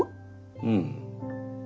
うん。